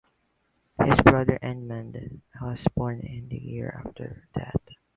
His brother Edmund was born in the year after that.